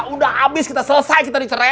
udah habis kita selesai kita dicerai